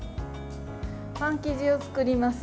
パン生地を作ります。